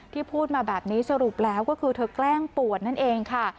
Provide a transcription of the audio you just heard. พูดมาแบบนี้สรุปแล้วก็คือเธอแกล้งปวดนั่นเองค่ะ